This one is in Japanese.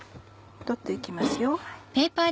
取って行きますよ。